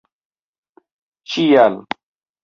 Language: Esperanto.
ĉial